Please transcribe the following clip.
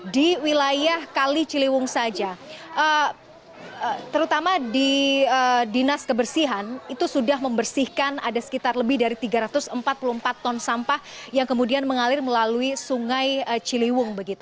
di wilayah kali ciliwung saja terutama di dinas kebersihan itu sudah membersihkan ada sekitar lebih dari tiga ratus empat puluh empat ton sampah yang kemudian mengalir melalui sungai ciliwung